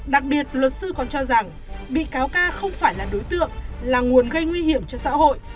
đặc biệt luật sư còn cho rằng bị cáo ca không phải là đối tượng là nguồn gây nguy hiểm cho xã hội